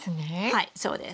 はいそうです。